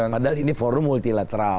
padahal ini forum multilateral